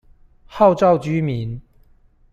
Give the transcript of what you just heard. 號召居民